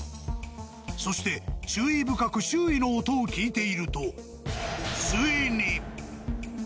そして注意深く周囲の音を聞いていると。